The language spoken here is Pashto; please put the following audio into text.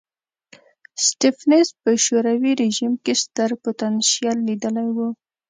سټېفنس په شوروي رژیم کې ستر پوتنشیل لیدلی و.